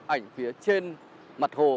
ảnh phía trên mặt hồ